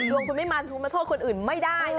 ลวงคุณไม่มาคุณมาโทษคนอื่นไม่ได้นะ